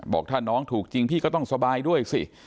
บอกถ้าน้องถูกจริงพี่ก็ต้องสบายด้วยสิ